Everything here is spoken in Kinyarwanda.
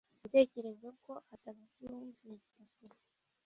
ibitekerezo ko atabyumvise kure